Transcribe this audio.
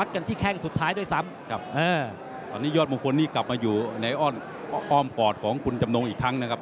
กันที่แข้งสุดท้ายด้วยซ้ำครับตอนนี้ยอดมงคลนี่กลับมาอยู่ในอ้อมอ้อมกอดของคุณจำนงอีกครั้งนะครับ